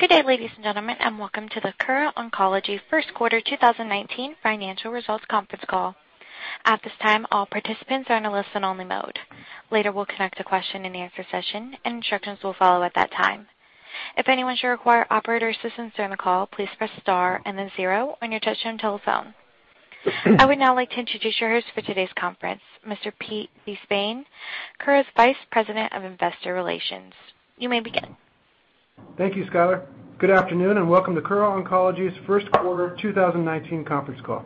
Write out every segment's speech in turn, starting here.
Good day, ladies and gentlemen, and welcome to the Kura Oncology First Quarter 2019 financial results conference call. At this time, all participants are in a listen-only mode. Later, we'll connect the question and answer session, and instructions will follow at that time. If anyone should require operator assistance during the call, please press star and then zero on your touch-tone telephone. I would now like to introduce your host for today's conference, Mr. Pete De Spain, Kura's Vice President of Investor Relations. You may begin. Thank you, Skyler. Good afternoon, and welcome to Kura Oncology's First Quarter 2019 conference call.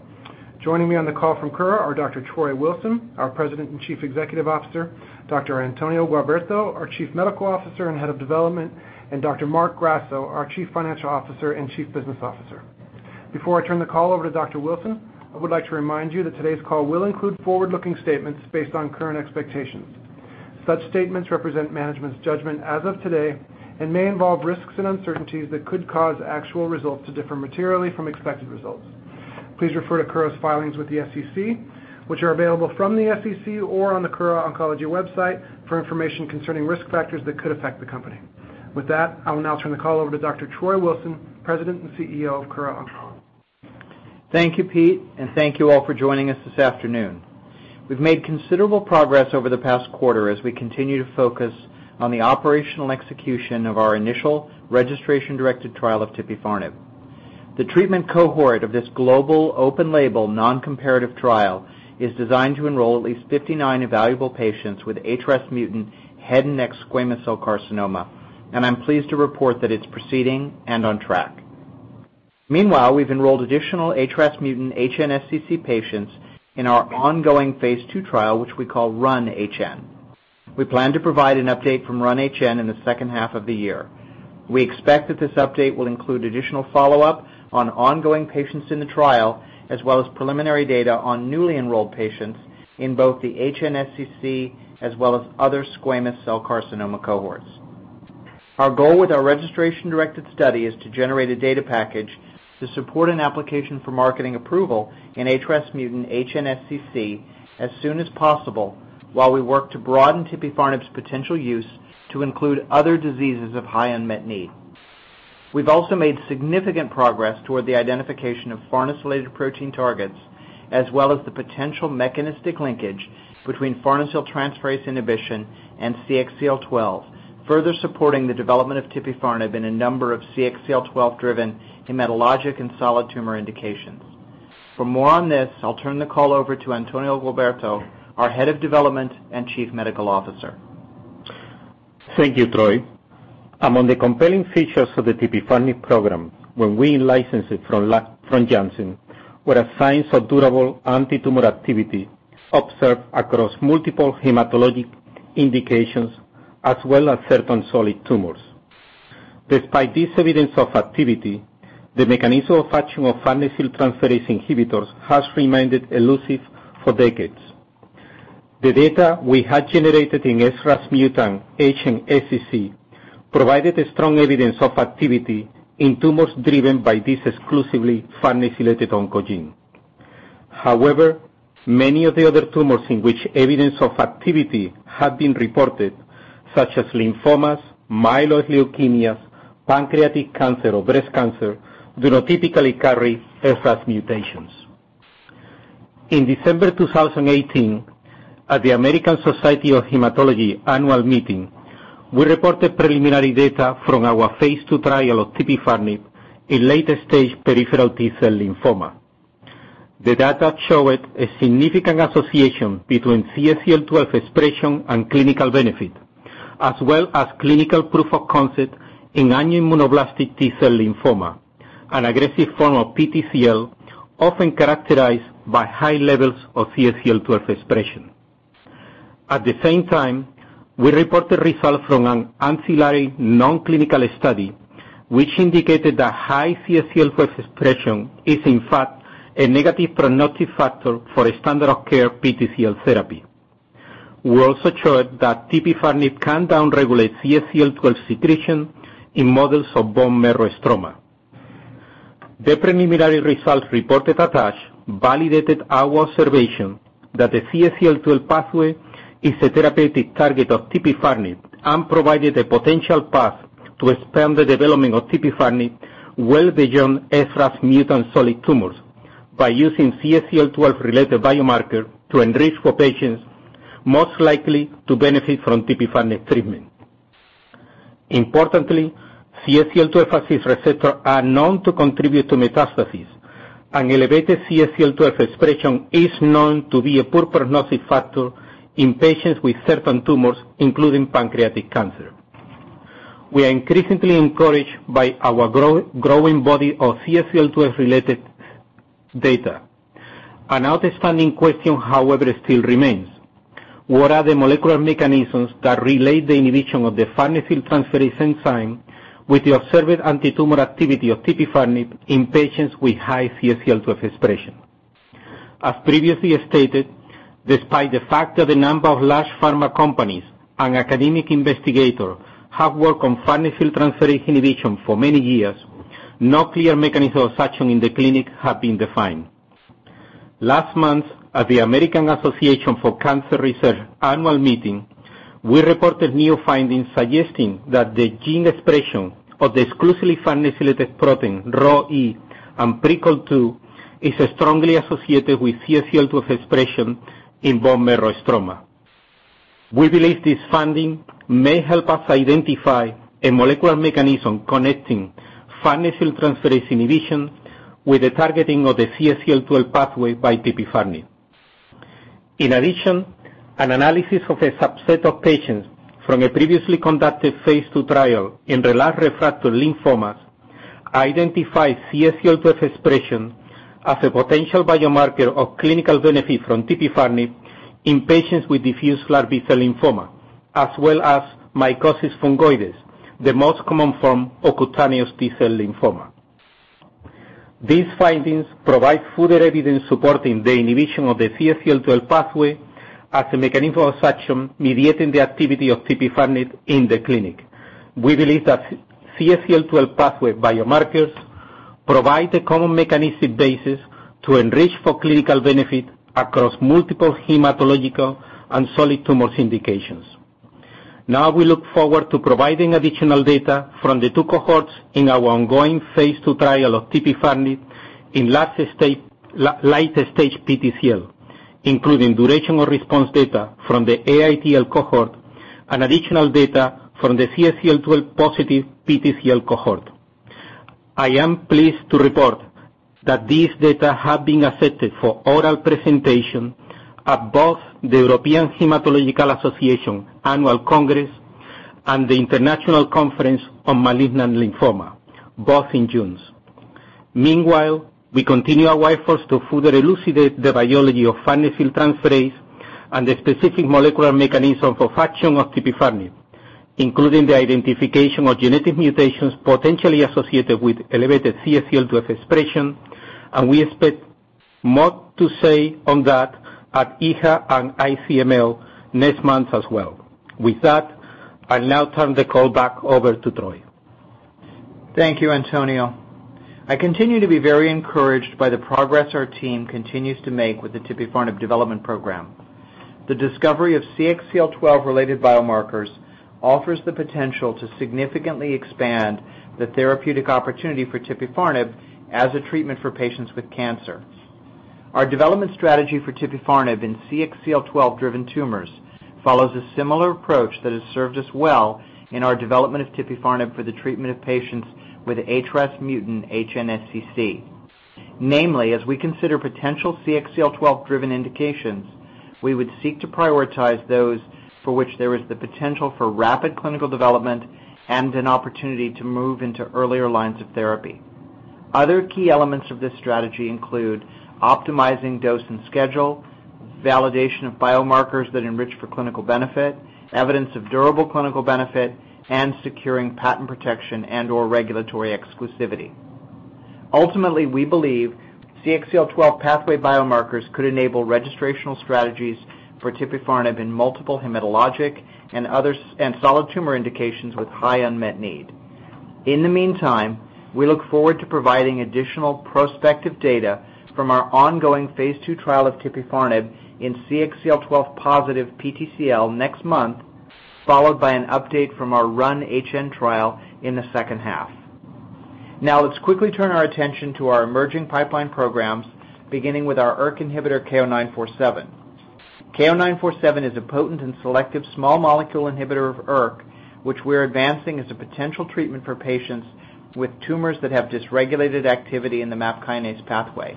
Joining me on the call from Kura are Dr. Troy Wilson, our President and Chief Executive Officer, Dr. Antonio Gualberto, our Chief Medical Officer and Head of Development, and Dr. Marc Grasso, our Chief Financial Officer and Chief Business Officer. Before I turn the call over to Dr. Wilson, I would like to remind you that today's call will include forward-looking statements based on current expectations. Such statements represent management's judgment as of today and may involve risks and uncertainties that could cause actual results to differ materially from expected results. Please refer to Kura's filings with the SEC, which are available from the SEC or on the Kura Oncology website, for information concerning risk factors that could affect the company. With that, I will now turn the call over to Dr. Troy Wilson, President and CEO of Kura Oncology. Thank you, Pete, and thank you all for joining us this afternoon. We've made considerable progress over the past quarter as we continue to focus on the operational execution of our initial registration-directed trial of tipifarnib. The treatment cohort of this global open-label non-comparative trial is designed to enroll at least 59 evaluable patients with HRAS-mutant head and neck squamous cell carcinoma, and I'm pleased to report that it's proceeding and on track. Meanwhile, we've enrolled additional HRAS-mutant HNSCC patients in our ongoing phase II trial, which we call RUN-HN. We plan to provide an update from RUN-HN in the second half of the year. We expect that this update will include additional follow-up on ongoing patients in the trial, as well as preliminary data on newly enrolled patients in both the HNSCC as well as other squamous cell carcinoma cohorts. Our goal with our registration-directed study is to generate a data package to support an application for marketing approval in HRAS-mutant HNSCC as soon as possible while we work to broaden tipifarnib's potential use to include other diseases of high unmet need. We've also made significant progress toward the identification of farnesylated protein targets, as well as the potential mechanistic linkage between farnesyltransferase inhibition and CXCL12, further supporting the development of tipifarnib in a number of CXCL12-driven hematologic and solid tumor indications. For more on this, I'll turn the call over to Antonio Gualberto, our Head of Development and Chief Medical Officer. Thank you, Troy. Among the compelling features of the tipifarnib program when we licensed it from Janssen were signs of durable anti-tumor activity observed across multiple hematologic indications, as well as certain solid tumors. Despite this evidence of activity, the mechanism of action of farnesyltransferase inhibitors has remained elusive for decades. The data we had generated in HRAS-mutant HNSCC provided strong evidence of activity in tumors driven by this exclusively farnesylated oncogene. However, many of the other tumors in which evidence of activity had been reported, such as lymphomas, myeloid leukemias, pancreatic cancer, or breast cancer, do not typically carry HRAS mutations. In December 2018, at the American Society of Hematology annual meeting, we reported preliminary data from our phase II trial of tipifarnib in late-stage peripheral T-cell lymphoma. The data showed a significant association between CXCL12 expression and clinical benefit, as well as clinical proof of concept in angioimmunoblastic T-cell lymphoma, an aggressive form of PTCL often characterized by high levels of CXCL12 expression. At the same time, we reported results from an ancillary non-clinical study which indicated that high CXCL12 expression is in fact a negative prognostic factor for a standard of care PTCL therapy. We also showed that tipifarnib can down-regulate CXCL12 secretion in models of bone marrow stroma. The preliminary results reported attached validated our observation that the CXCL12 pathway is a therapeutic target of tipifarnib and provided a potential path to expand the development of tipifarnib well beyond HRAS mutant solid tumors by using CXCL12-related biomarkers to enrich for patients most likely to benefit from tipifarnib treatment. Importantly, CXCL12 as its receptor are known to contribute to metastasis. An elevated CXCL12 expression is known to be a poor prognostic factor in patients with certain tumors, including pancreatic cancer. We are increasingly encouraged by our growing body of CXCL12-related data. An outstanding question, however, still remains. What are the molecular mechanisms that relate the inhibition of the farnesyltransferase enzyme with the observed anti-tumor activity of tipifarnib in patients with high CXCL12 expression? As previously stated, despite the fact that a number of large pharma companies and academic investigators have worked on farnesyltransferase inhibition for many years, no clear mechanism of action in the clinic has been defined. Last month, at the American Association for Cancer Research annual meeting, we reported new findings suggesting that the gene expression of the exclusively farnesylated protein RhoE and Prickle2 is strongly associated with CXCL12 expression in bone marrow stroma. We believe this finding may help us identify a molecular mechanism connecting farnesyltransferase inhibition with the targeting of the CXCL12 pathway by tipifarnib. In addition, an analysis of a subset of patients from a previously conducted phase II trial in relapse-refractory lymphomas identified CXCL12 expression as a potential biomarker of clinical benefit from tipifarnib in patients with diffuse large B-cell lymphoma, as well as mycosis fungoides, the most common form of cutaneous T-cell lymphoma. These findings provide further evidence supporting the inhibition of the CXCL12 pathway as a mechanism of action mediating the activity of tipifarnib in the clinic. We believe that CXCL12 pathway biomarkers provide a common mechanistic basis to enrich for clinical benefit across multiple hematological and solid tumors indications. Now we look forward to providing additional data from the two cohorts in our ongoing phase II trial of tipifarnib in late-stage PTCL, including durational response data from the AITL cohort and additional data from the CXCL12 positive PTCL cohort. I am pleased to report that this data have been accepted for oral presentation at both the European Hematology Association Annual Congress and the International Conference on Malignant Lymphoma, both in June. Meanwhile, we continue our efforts to further elucidate the biology of farnesyltransferase and the specific molecular mechanism of action of tipifarnib, including the identification of genetic mutations potentially associated with elevated CXCL12 expression, and we expect more to say on that at EHA and ICML next month as well. With that, I'll now turn the call back over to Troy. Thank you, Antonio. I continue to be very encouraged by the progress our team continues to make with the tipifarnib development program. The discovery of CXCL12-related biomarkers offers the potential to significantly expand the therapeutic opportunity for tipifarnib as a treatment for patients with cancer. Our development strategy for tipifarnib in CXCL12-driven tumors follows a similar approach that has served us well in our development of tipifarnib for the treatment of patients with HRAS mutant HNSCC. Namely, as we consider potential CXCL12-driven indications, we would seek to prioritize those for which there is the potential for rapid clinical development and an opportunity to move into earlier lines of therapy. Other key elements of this strategy include optimizing dose and schedule, validation of biomarkers that enrich for clinical benefit, evidence of durable clinical benefit, and securing patent protection and/or regulatory exclusivity. Ultimately, we believe CXCL12 pathway biomarkers could enable registrational strategies for tipifarnib in multiple hematologic and solid tumor indications with high unmet need. In the meantime, we look forward to providing additional prospective data from our ongoing phase II trial of tipifarnib in CXCL12 positive PTCL next month, followed by an update from our RUN-HN trial in the second half. Now let's quickly turn our attention to our emerging pipeline programs, beginning with our ERK inhibitor KO-947. KO-947 is a potent and selective small molecule inhibitor of ERK, which we're advancing as a potential treatment for patients with tumors that have dysregulated activity in the MAP kinase pathway.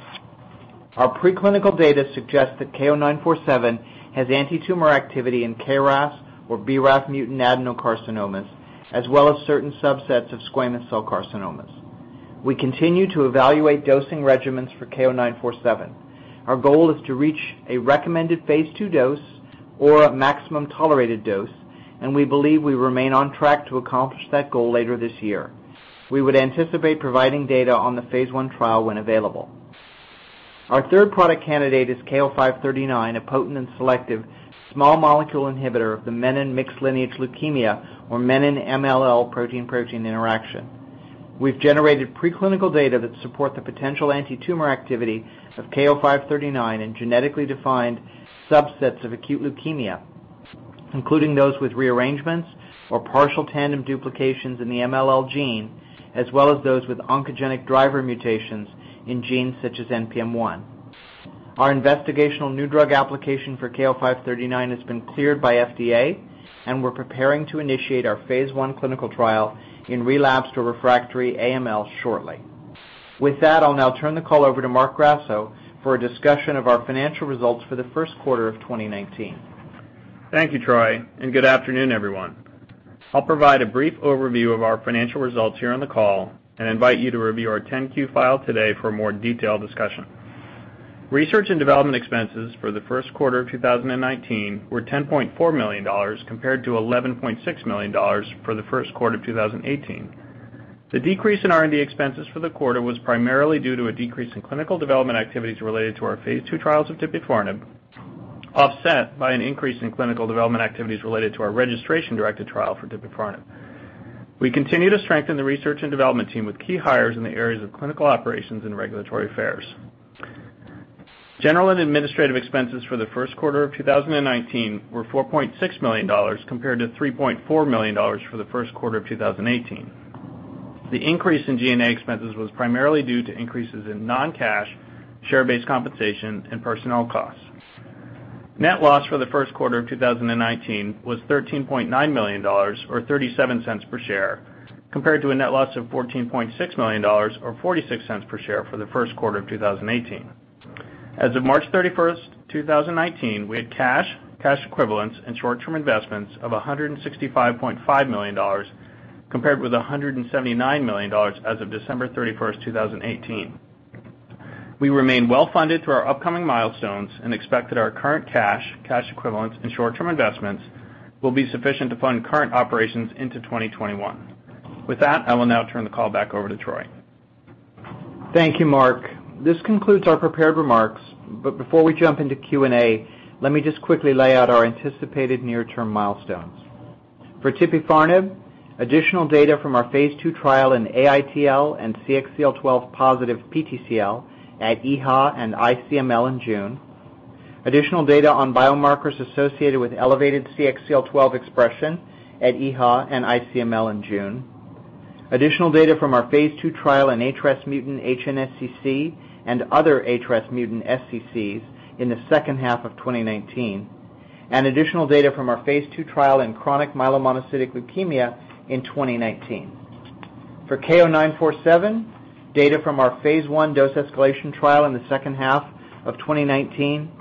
Our preclinical data suggests that KO-947 has anti-tumor activity in KRAS or BRAF mutant adenocarcinomas, as well as certain subsets of squamous cell carcinomas. We continue to evaluate dosing regimens for KO-947. Our goal is to reach a recommended phase II dose or a maximum tolerated dose, and we believe we remain on track to accomplish that goal later this year. We would anticipate providing data on the phase I trial when available. Our third product candidate is KO-539, a potent and selective small molecule inhibitor of the menin-MLL protein-protein interaction. We've generated preclinical data that support the potential anti-tumor activity of KO-539 in genetically defined subsets of acute leukemia, including those with rearrangements or partial tandem duplications in the MLL gene, as well as those with oncogenic driver mutations in genes such as NPM1. Our investigational new drug application for KO-539 has been cleared by FDA, and we're preparing to initiate our phase I clinical trial in relapsed or refractory AML shortly. With that, I'll now turn the call over to Marc Grasso for a discussion of our financial results for the first quarter of 2019. Thank you, Troy, and good afternoon, everyone. I'll provide a brief overview of our financial results here on the call and invite you to review our 10-Q filed today for a more detailed discussion. Research and development expenses for the first quarter of 2019 were $10.4 million, compared to $11.6 million for the first quarter of 2018. The decrease in R&D expenses for the quarter was primarily due to a decrease in clinical development activities related to our phase II trials of tipifarnib, offset by an increase in clinical development activities related to our registration-directed trial for tipifarnib. We continue to strengthen the Research and Development team with key hires in the areas of clinical operations and regulatory affairs. General and administrative expenses for the first quarter of 2019 were $4.6 million, compared to $3.4 million for the first quarter of 2018. The increase in G&A expenses was primarily due to increases in non-cash share-based compensation and personnel costs. Net loss for the first quarter of 2019 was $13.9 million, or $0.37 per share, compared to a net loss of $14.6 million or $0.46 per share for the first quarter of 2018. As of March 31st, 2019, we had cash equivalents, and short-term investments of $165.5 million, compared with $179 million as of December 31st, 2018. We remain well-funded through our upcoming milestones and expect that our current cash equivalents, and short-term investments will be sufficient to fund current operations into 2021. With that, I will now turn the call back over to Troy. Thank you, Marc. This concludes our prepared remarks. Before we jump into Q&A, let me just quickly lay out our anticipated near-term milestones. For tipifarnib, additional data from our phase II trial in AITL and CXCL12-positive PTCL at EHA and ICML in June. Additional data on biomarkers associated with elevated CXCL12 expression at EHA and ICML in June. Additional data from our phase II trial in HRAS-mutant HNSCC and other HRAS-mutant SCCs in the second half of 2019. Additional data from our phase II trial in chronic myelomonocytic leukemia in 2019. For KO-947, data from our phase I dose escalation trial in the second half of 2019.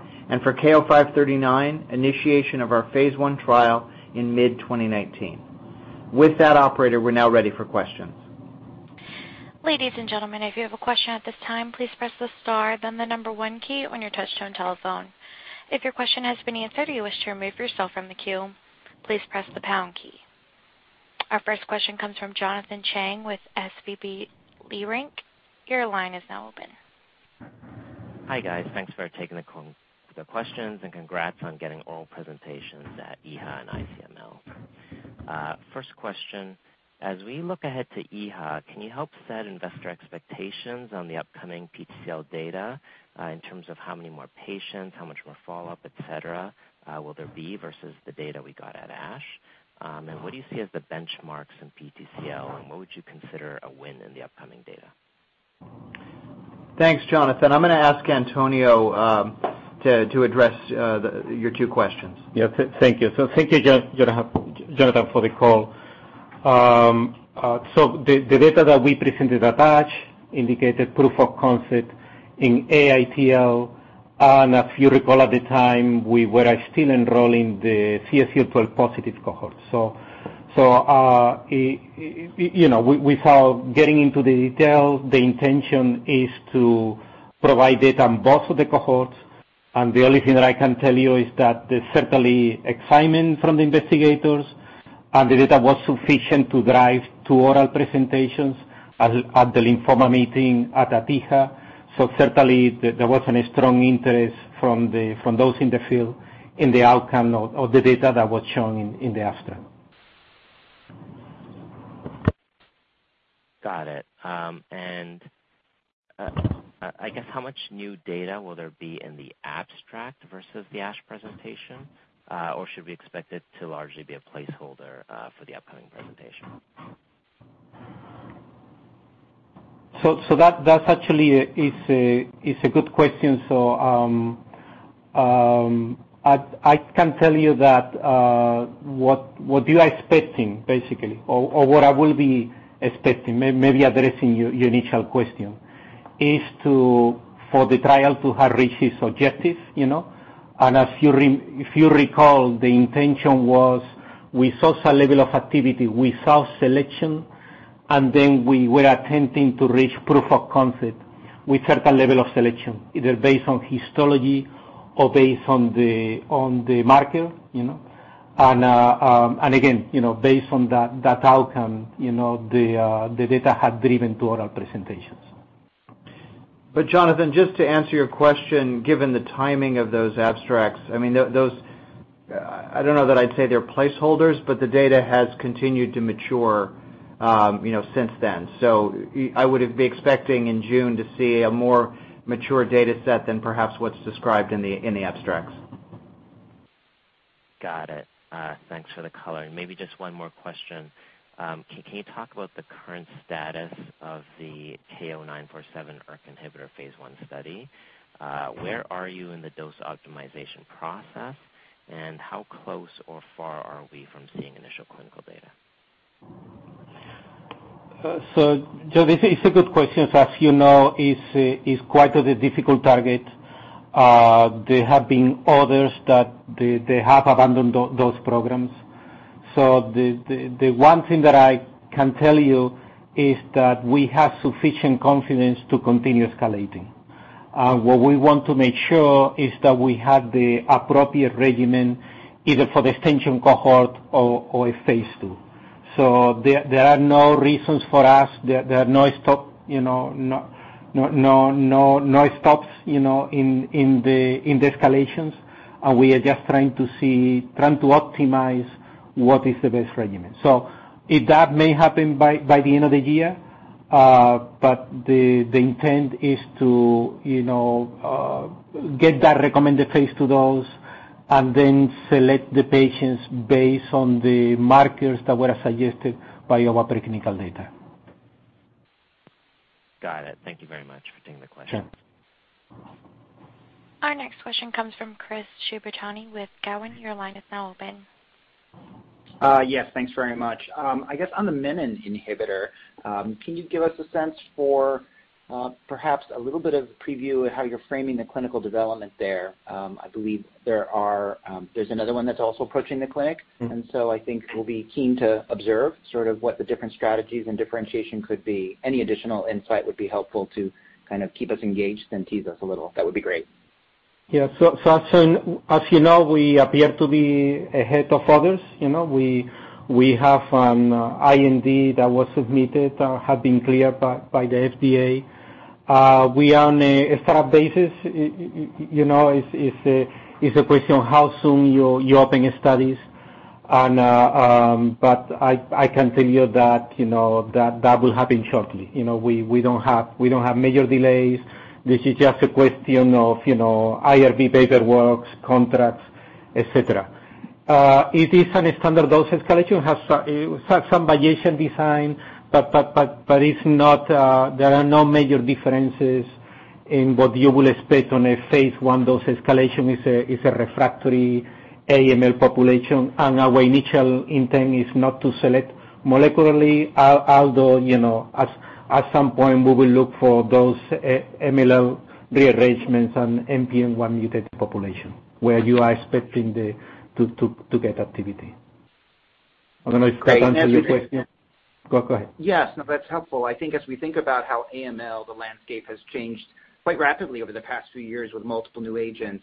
For KO-539, initiation of our phase I trial in mid-2019. With that operator, we're now ready for questions. Ladies and gentlemen, if you have a question at this time, please press the star then the 1 key on your touch-tone telephone. If your question has been answered or you wish to remove yourself from the queue, please press the pound key. Our first question comes from Jonathan Chang with SVB Leerink. Your line is now open. Hi, guys. Thanks for taking the calls for questions, congrats on getting oral presentations at EHA and ICML. First question, as we look ahead to EHA, can you help set investor expectations on the upcoming PTCL data in terms of how many more patients, how much more follow-up, et cetera, will there be versus the data we got at ASH? What do you see as the benchmarks in PTCL, and what would you consider a win in the upcoming data? Thanks, Jonathan. I'm going to ask Antonio to address your two questions. Yeah. Thank you. Thank you, Jonathan, for the call. The data that we presented at ASH indicated proof of concept in AITL, and if you recall at the time, we were still enrolling the CXCL12-positive cohort. Without getting into the details, the intention is to provide data on both of the cohorts. The only thing that I can tell you is that there's certainly excitement from the investigators, and the data was sufficient to drive two oral presentations at the Lymphoma Meeting at EHA, certainly there was a strong interest from those in the field in the outcome of the data that was shown in the abstract. Got it. I guess how much new data will there be in the abstract versus the ASH presentation? Or should we expect it to largely be a placeholder for the upcoming presentation? That actually is a good question. I can tell you that what you are expecting, basically, or what I will be expecting, maybe addressing your initial question, is for the trial to have reached its objective. If you recall, the intention was we saw some level of activity, we saw selection, then we were attempting to reach proof of concept with certain level of selection, either based on histology or based on the marker. Again, based on that outcome, the data had driven two oral presentations. Jonathan, just to answer your question, given the timing of those abstracts, I don't know that I'd say they're placeholders, but the data has continued to mature since then. I would be expecting in June to see a more mature data set than perhaps what's described in the abstracts. Got it. Thanks for the color. Maybe just one more question. Can you talk about the current status of the KO-947 ERK inhibitor phase I study? Where are you in the dose optimization process, and how close or far are we from seeing initial clinical data? This is a good question. As you know, it's quite a difficult target. There have been others that have abandoned those programs. The one thing that I can tell you is that we have sufficient confidence to continue escalating. What we want to make sure is that we have the appropriate regimen either for the extension cohort or a phase II. There are no reasons for us, there are no stops in the escalations. We are just trying to optimize what is the best regimen. If that may happen by the end of the year, but the intent is to get that recommended phase II dose and then select the patients based on the markers that were suggested by our preclinical data. Got it. Thank you very much for taking the question. Sure. Our next question comes from Chris Shibutani with Cowen. Your line is now open. Yes, thanks very much. I guess on the menin inhibitor, can you give us a sense for perhaps a little bit of a preview of how you're framing the clinical development there? I believe there's another one that's also approaching the clinic. I think we'll be keen to observe sort of what the different strategies and differentiation could be. Any additional insight would be helpful to kind of keep us engaged and tease us a little. That would be great. Yeah. As you know, we appear to be ahead of others. We have an IND that was submitted, has been cleared by the FDA. We are on a start-up basis. It's a question of how soon you're opening studies. I can tell you that will happen shortly. We don't have major delays. This is just a question of IRB paperwork, contracts, et cetera. It is on a standard dose escalation, has some variation design, but there are no major differences in what you will expect on a phase I dose escalation is a refractory AML population, and our initial intent is not to select molecularly, although, at some point, we will look for those MLL rearrangements and NPM1 mutated population, where you are expecting to get activity. I don't know if that answers your question. Go ahead. Yes, no, that's helpful. I think as we think about how AML, the landscape, has changed quite rapidly over the past few years with multiple new agents.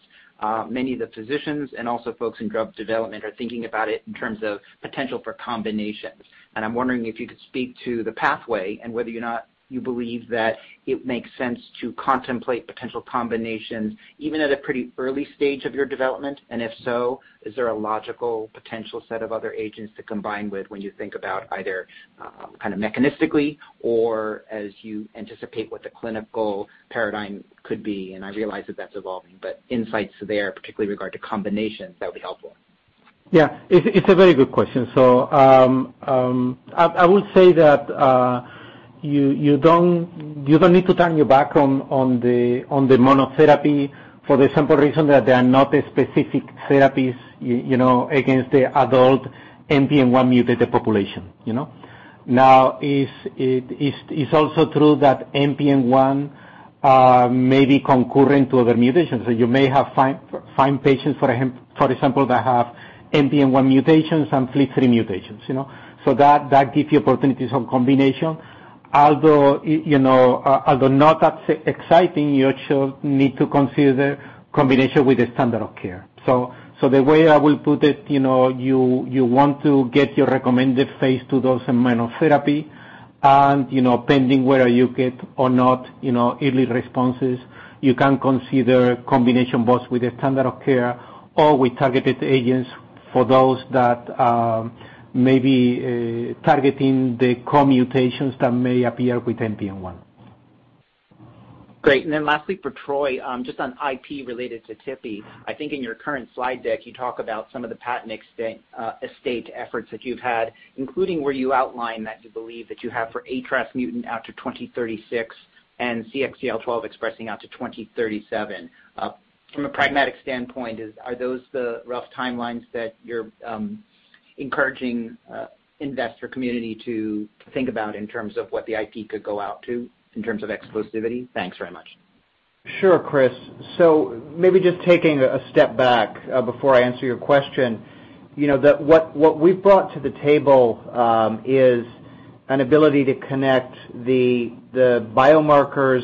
Many of the physicians and also folks in drug development are thinking about it in terms of potential for combinations. I'm wondering if you could speak to the pathway and whether or not you believe that it makes sense to contemplate potential combinations even at a pretty early stage of your development. If so, is there a logical potential set of other agents to combine with when you think about either kind of mechanistically or as you anticipate what the clinical paradigm could be? I realize that that's evolving, but insights there, particularly regard to combinations, that would be helpful. Yeah. It's a very good question. I would say that you don't need to turn your back on the monotherapy for the simple reason that there are not specific therapies against the adult NPM1 mutated population. Now, it's also true that NPM1 may be concurrent to other mutations. You may find patients, for example, that have NPM1 mutations and FLT3 mutations. That give you opportunities on combination. Although, not that exciting, you actually need to consider combination with the standard of care. The way I will put it, you want to get your recommended phase II dose in monotherapy, and pending whether you get or not early responses, you can consider combination both with the standard of care or with targeted agents for those that may be targeting the co-mutations that may appear with NPM1. Great. Lastly for Troy, just on IP related to Tipi. I think in your current slide deck, you talk about some of the patent estate efforts that you've had, including where you outline that you believe that you have for ATRX mutant out to 2036 and CXCL12 expressing out to 2037. From a pragmatic standpoint, are those the rough timelines that you're encouraging investor community to think about in terms of what the IP could go out to in terms of exclusivity? Thanks very much. Sure, Chris. Maybe just taking a step back before I answer your question. What we've brought to the table is an ability to connect the biomarkers,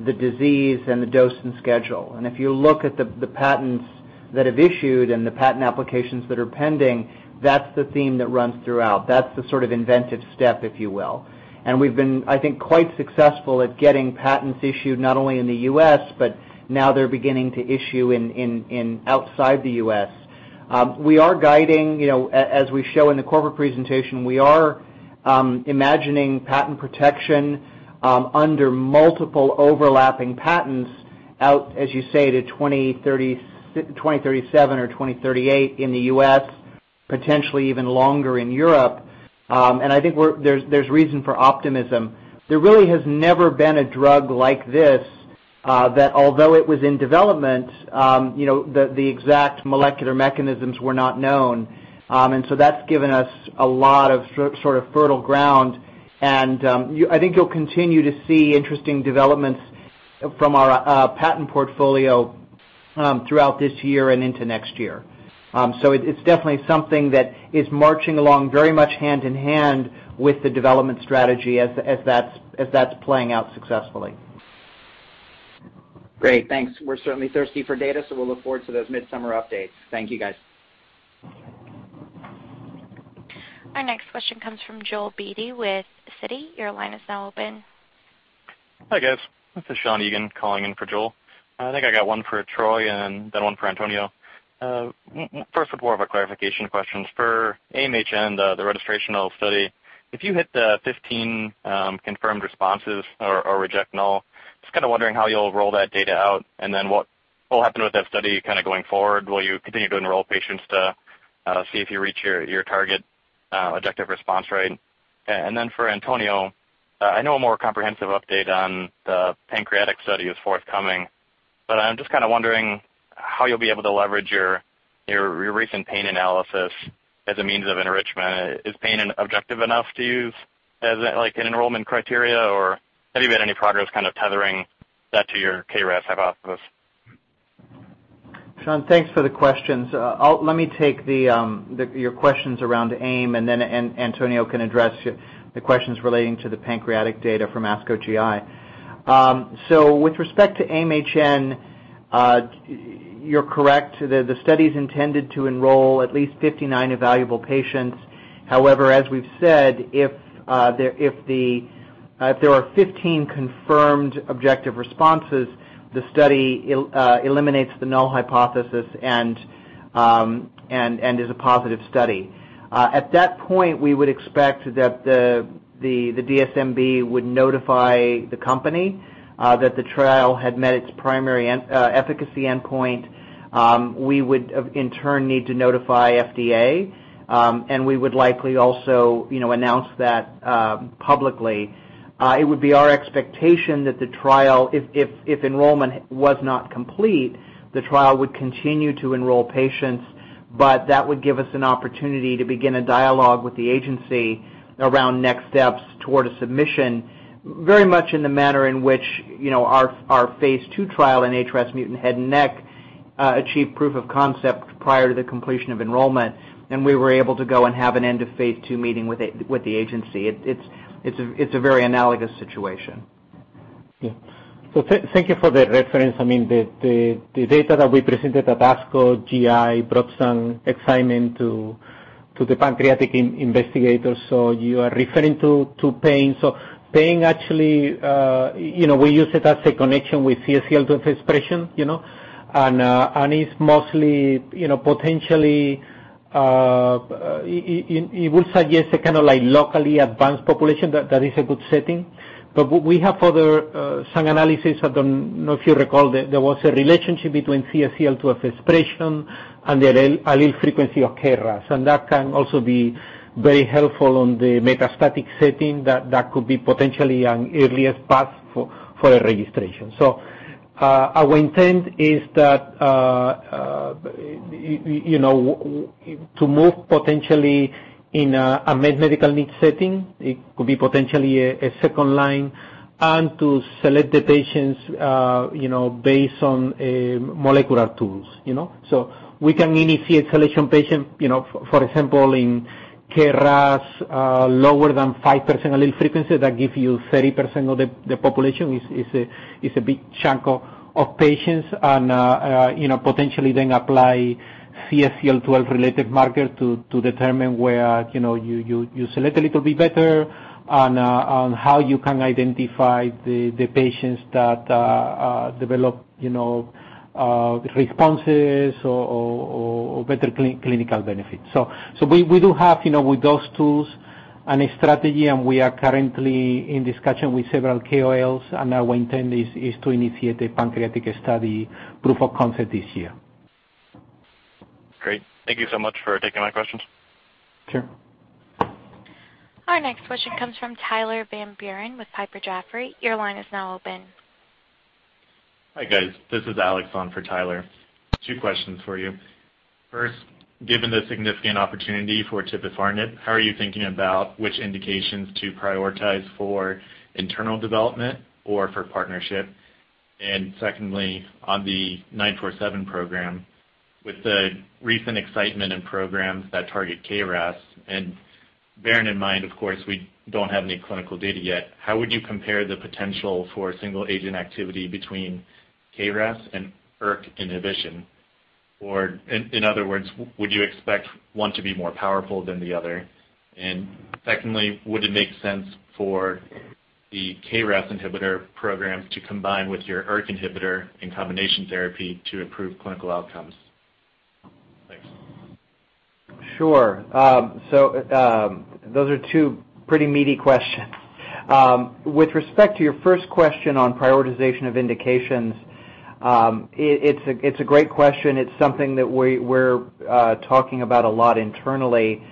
the disease, and the dose and schedule. If you look at the patents that have issued and the patent applications that are pending, that's the theme that runs throughout. That's the sort of inventive step, if you will. We've been, I think, quite successful at getting patents issued, not only in the U.S., but now they're beginning to issue in outside the U.S. We are guiding, as we show in the corporate presentation, we are imagining patent protection under multiple overlapping patents out, as you say, to 2037 or 2038 in the U.S., potentially even longer in Europe. I think there's reason for optimism. There really has never been a drug like this that although it was in development, the exact molecular mechanisms were not known. That's given us a lot of sort of fertile ground, and I think you'll continue to see interesting developments from our patent portfolio throughout this year and into next year. It's definitely something that is marching along very much hand in hand with the development strategy as that's playing out successfully. Great. Thanks. We'll look forward to those midsummer updates. Thank you, guys. Our next question comes from Joel Beatty with Citi. Your line is now open. Hi, guys. This is Sean Egan calling in for Joel. I think I got one for Troy, then one for Antonio. First, more of a clarification questions for AIM-HN, the registrational study. If you hit the 15 confirmed responses or reject null, just wondering how you'll roll that data out, then what will happen with that study going forward? Will you continue to enroll patients to see if you reach your target objective response rate? Then for Antonio, I know a more comprehensive update on the pancreatic study is forthcoming, but I'm just wondering how you'll be able to leverage your recent pain analysis as a means of enrichment. Is pain objective enough to use as an enrollment criteria, or have you made any progress tethering that to your KRAS hypothesis? Sean, thanks for the questions. Let me take your questions around AIM, then Antonio can address the questions relating to the pancreatic data from ASCO GI. With respect to AIM-HN, you're correct. The study's intended to enroll at least 59 evaluable patients. However, as we've said, if there are 15 confirmed objective responses, the study eliminates the null hypothesis and is a positive study. At that point, we would expect that the DSMB would notify the company that the trial had met its primary efficacy endpoint. We would, in turn, need to notify FDA, and we would likely also announce that publicly. It would be our expectation that the trial, if enrollment was not complete, the trial would continue to enroll patients, but that would give us an opportunity to begin a dialogue with the agency around next steps toward a submission, very much in the manner in which our phase II trial in HRAS mutant head and neck achieved proof of concept prior to the completion of enrollment, and we were able to go and have an end of phase II meeting with the agency. It's a very analogous situation. Yeah. Thank you for the reference. The data that we presented at ASCO GI brought some excitement to the pancreatic investigators. You are referring to pain. Pain actually, we use it as a connection with CXCL12 expression. It's mostly potentially, it would suggest a locally advanced population that is a good setting. We have further some analysis. I don't know if you recall, there was a relationship between CXCL12 expression and the allele frequency of KRAS, and that can also be very helpful on the metastatic setting that could be potentially an earliest path for a registration. Our intent is that to move potentially in a medical need setting, it could be potentially a second line and to select the patients based on molecular tools. We can initiate selection patient, for example, in KRAS, lower than 5% allele frequency, that gives you 30% of the population is a big chunk of patients. Potentially then apply CXCL12 related marker to determine where you select a little bit better on how you can identify the patients that develop responses or better clinical benefits. We do have with those tools and a strategy, and we are currently in discussion with several KOLs, and our intent is to initiate a pancreatic study proof of concept this year. Great. Thank you so much for taking my questions. Sure. Our next question comes from Tyler Van Buren with Piper Jaffray. Your line is now open. Hi, guys. This is Alex on for Tyler. Two questions for you. First, given the significant opportunity for tipifarnib, how are you thinking about which indications to prioritize for internal development or for partnership? Secondly, on the 947 program, with the recent excitement in programs that target KRAS, and bearing in mind, of course, we don't have any clinical data yet, how would you compare the potential for single agent activity between KRAS and ERK inhibition? In other words, would you expect one to be more powerful than the other? Secondly, would it make sense for the KRAS inhibitor programs to combine with your ERK inhibitor in combination therapy to improve clinical outcomes? Thanks. Sure. Those are two pretty meaty questions. With respect to your first question on prioritization of indications, it's a great question. It's something that we're talking about a lot internally.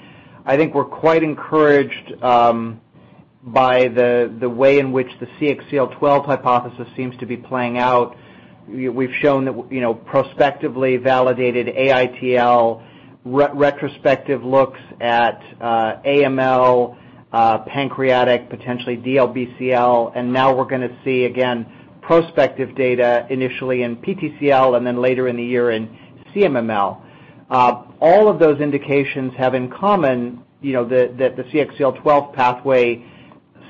I think we're quite encouraged by the way in which the CXCL12 hypothesis seems to be playing out. We've shown that prospectively validated AITL retrospective looks at AML, pancreatic, potentially DLBCL, and now we're going to see again prospective data initially in PTCL and then later in the year in CMML. All of those indications have in common that the CXCL12 pathway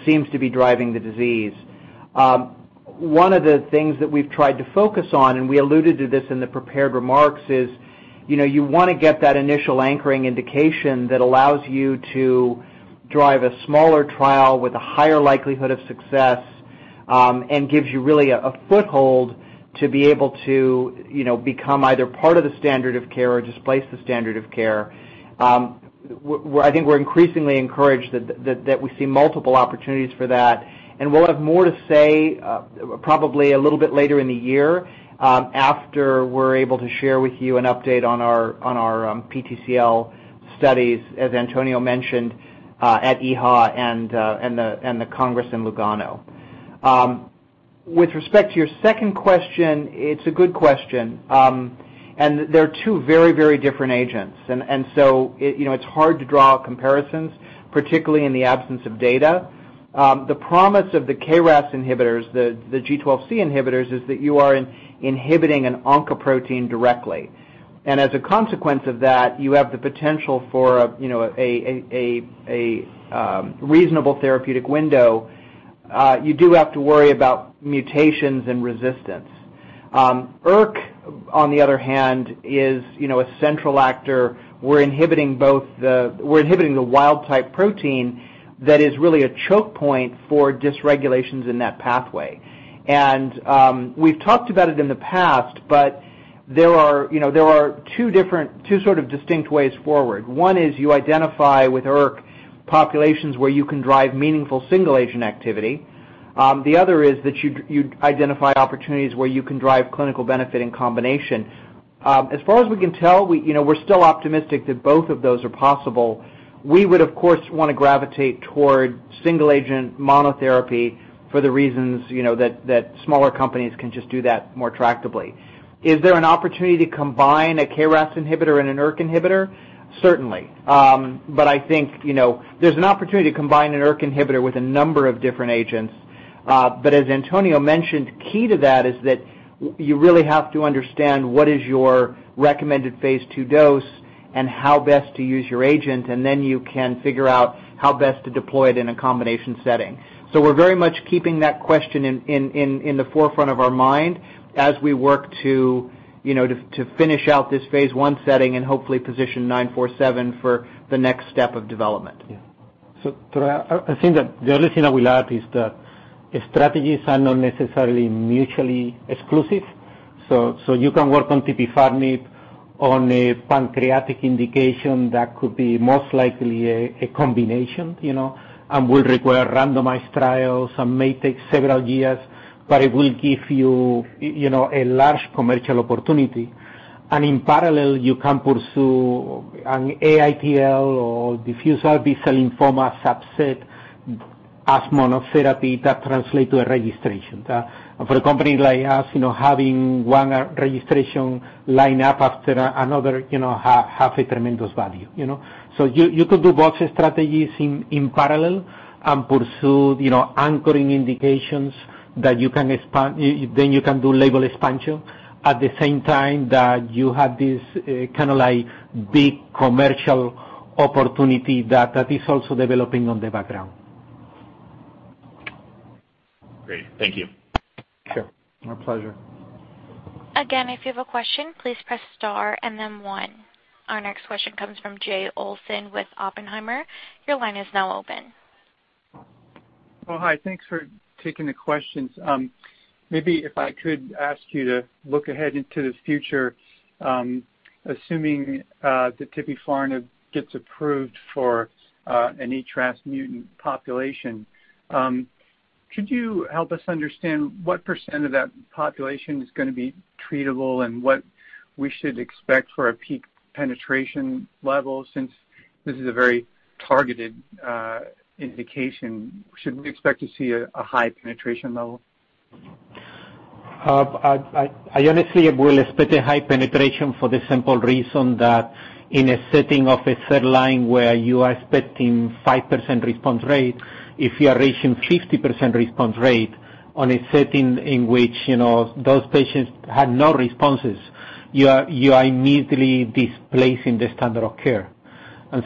seems to be driving the disease. One of the things that we've tried to focus on, we alluded to this in the prepared remarks, is you want to get that initial anchoring indication that allows you to drive a smaller trial with a higher likelihood of success, and gives you really a foothold to be able to become either part of the standard of care or displace the standard of care. I think we're increasingly encouraged that we see multiple opportunities for that, and we'll have more to say probably a little bit later in the year, after we're able to share with you an update on our PTCL studies, as Antonio mentioned, at EHA and the Congress in Lugano. With respect to your second question, it's a good question. They're two very different agents. It's hard to draw comparisons, particularly in the absence of data. The promise of the KRAS inhibitors, the G12C inhibitors, is that you are inhibiting an oncoprotein directly. As a consequence of that, you have the potential for a reasonable therapeutic window. You do have to worry about mutations and resistance. ERK, on the other hand, is a central actor. We're inhibiting the wild-type protein that is really a choke point for dysregulations in that pathway. We've talked about it in the past, but there are two different, two sort of distinct ways forward. One is you identify with ERK populations where you can drive meaningful single-agent activity. The other is that you identify opportunities where you can drive clinical benefit in combination. As far as we can tell, we're still optimistic that both of those are possible. We would, of course, want to gravitate toward single-agent monotherapy for the reasons that smaller companies can just do that more tractably. Is there an opportunity to combine a KRAS inhibitor and an ERK inhibitor? Certainly. I think there's an opportunity to combine an ERK inhibitor with a number of different agents. As Antonio mentioned, key to that is that you really have to understand what is your recommended phase II dose and how best to use your agent, and then you can figure out how best to deploy it in a combination setting. We're very much keeping that question in the forefront of our mind as we work to finish out this phase I setting and hopefully position 947 for the next step of development. Yeah. I think that the only thing I will add is that strategies are not necessarily mutually exclusive. You can work on tipifarnib on a pancreatic indication that could be most likely a combination, and will require randomized trials and may take several years, but it will give you a large commercial opportunity. In parallel, you can pursue an AITL or diffuse B-cell lymphoma subset as monotherapy that translate to a registration. For a company like us, having one registration line up after another have a tremendous value. You could do both strategies in parallel and pursue anchoring indications, then you can do label expansion at the same time that you have this big commercial opportunity that is also developing on the background. Great. Thank you. Sure. My pleasure. If you have a question, please press star and then one. Our next question comes from Jay Olson with Oppenheimer. Your line is now open. Well, hi. Thanks for taking the questions. Maybe if I could ask you to look ahead into the future, assuming that tipifarnib gets approved for any HRAS mutant population, could you help us understand what % of that population is going to be treatable and what we should expect for a peak penetration level, since this is a very targeted indication? Should we expect to see a high penetration level? I honestly will expect a high penetration for the simple reason that in a setting of a third line where you are expecting 5% response rate, if you are reaching 50% response rate on a setting in which those patients had no responses, you are immediately displacing the standard of care.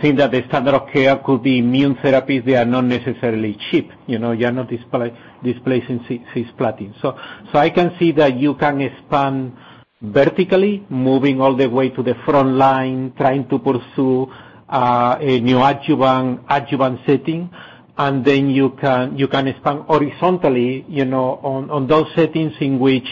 Seeing that the standard of care could be immune therapies, they are not necessarily cheap. You're not displacing cisplatin. I can see that you can expand vertically, moving all the way to the front line, trying to pursue a neoadjuvant setting. You can expand horizontally on those settings in which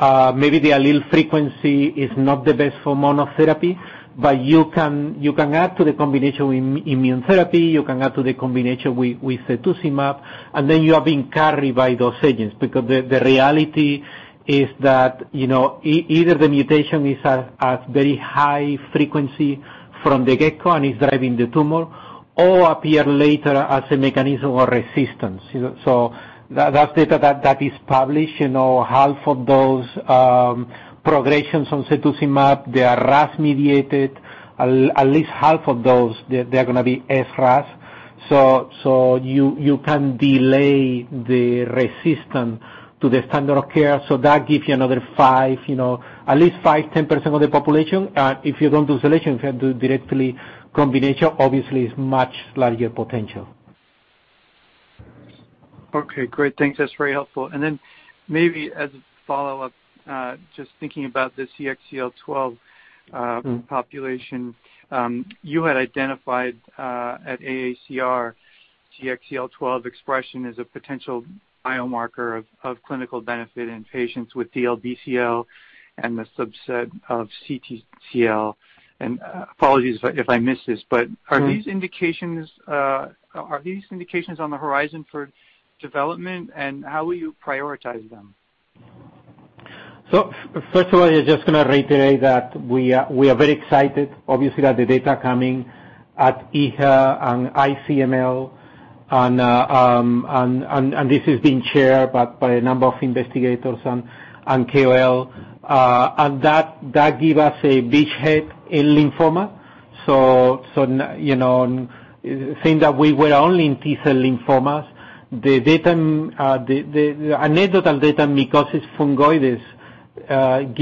maybe the allele frequency is not the best for monotherapy, but you can add to the combination with immune therapy, you can add to the combination with cetuximab, and then you are being carried by those agents. The reality is that either the mutation is at very high frequency from the get go and is driving the tumor, or appear later as a mechanism or resistance. That data that is published, half of those progressions on cetuximab, they are RAS mediated. At least half of those, they're going to be HRAS. You can delay the resistance to the standard of care, that gives you another five, at least 5%-10% of the population. If you don't do selection, if you do directly combination, obviously it's much larger potential. Okay, great. Thanks. That's very helpful. Maybe as a follow-up, just thinking about the CXCL12 population, you had identified, at AACR, CXCL12 expression as a potential biomarker of clinical benefit in patients with DLBCL and the subset of CTCL. Apologies if I miss this, but are these indications on the horizon for development, and how will you prioritize them? First of all, I just going to reiterate that we are very excited, obviously, at the data coming at EHA and ICML and this is being chaired by a number of investigators and KOL, and that give us a beachhead in lymphoma. Seeing that we were only in T-cell lymphomas, the anecdotal data in mycosis fungoides. Even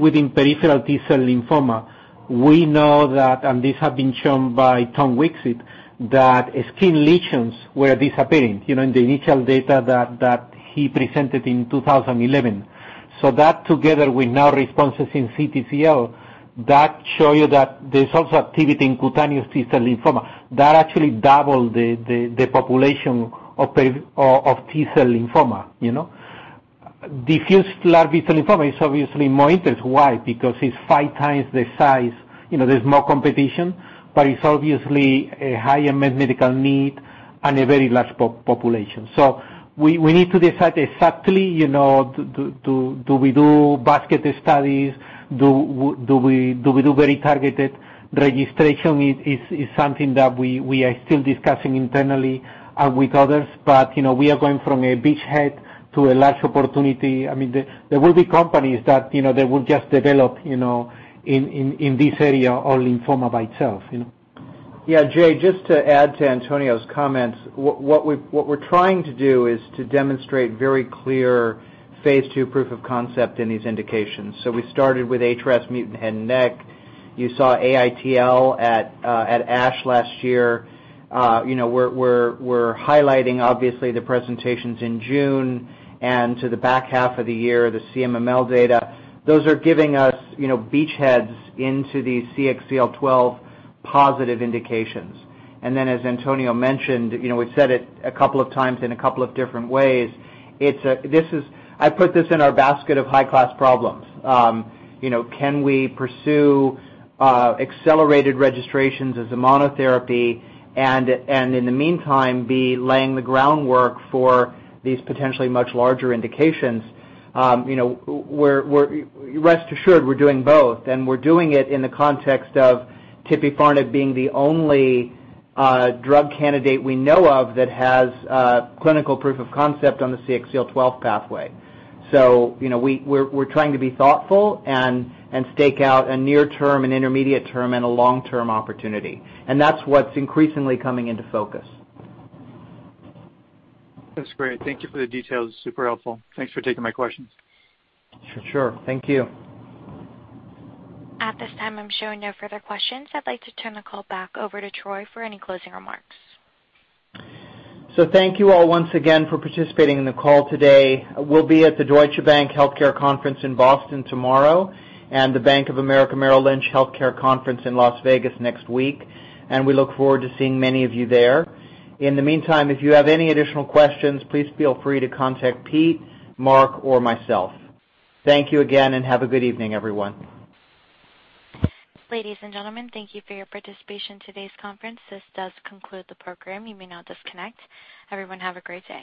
within peripheral T-cell lymphoma, we know that, and this has been shown by Thomas Witzig, that skin lesions were disappearing, in the initial data that he presented in 2011. That together with now responses in CTCL, that show you that there's also activity in cutaneous T-cell lymphoma. That actually doubled the population of T-cell lymphoma. Diffuse large B-cell lymphoma is obviously more interest. Why? Because it's five times the size, there's more competition, but it's obviously a higher medical need and a very large population. We need to decide exactly, do we do basket studies? Do we do very targeted registration? Is something that we are still discussing internally and with others, but we are going from a beachhead to a large opportunity. There will be companies that will just develop in this area, all lymphoma by itself. Yeah. Jay, just to add to Antonio's comments, what we're trying to do is to demonstrate very clear phase II proof of concept in these indications. We started with HRAS mutant head and neck. You saw AITL at ASH last year. We're highlighting obviously the presentations in June and to the back half of the year, the CMML data. Those are giving us beachheads into these CXCL12 positive indications. Then as Antonio mentioned, we've said it a couple of times in a couple of different ways, I put this in our basket of high-class problems. Can we pursue accelerated registrations as a monotherapy and in the meantime be laying the groundwork for these potentially much larger indications? Rest assured, we're doing both, we're doing it in the context of tipifarnib being the only drug candidate we know of that has clinical proof of concept on the CXCL12 pathway. We're trying to be thoughtful and stake out a near term, an intermediate term, and a long-term opportunity. That's what's increasingly coming into focus. That's great. Thank you for the details. Super helpful. Thanks for taking my questions. Sure. Thank you. At this time, I'm showing no further questions. I'd like to turn the call back over to Troy for any closing remarks. Thank you all once again for participating in the call today. We'll be at the Deutsche Bank Healthcare Conference in Boston tomorrow and the Bank of America Merrill Lynch Healthcare Conference in Las Vegas next week. We look forward to seeing many of you there. In the meantime, if you have any additional questions, please feel free to contact Pete, Marc, or myself. Thank you again, and have a good evening, everyone. Ladies and gentlemen, thank you for your participation in today's conference. This does conclude the program. You may now disconnect. Everyone have a great day.